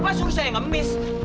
bapak suruh saya ngemis